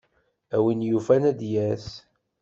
A win yufan ad d-yas.